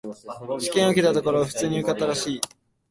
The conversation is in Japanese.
試験を受けたところ、普通に受かったらしい。